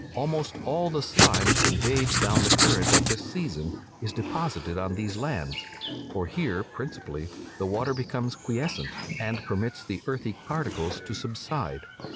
Almost all the slime conveyed down the current at this season is deposited on these lands; for here, principally, the water becomes quiescent, and permits the earthy particles to subside.